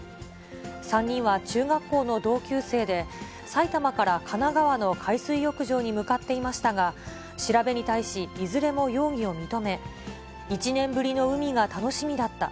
３人は中学校の同級生で、埼玉から神奈川の海水浴場に向かっていましたが、調べに対し、いずれも容疑を認め、１年ぶりの海が楽しみだった。